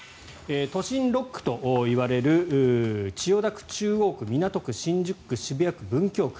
都心６区といわれる千代田区、中央区、港区新宿区、渋谷区、文京区。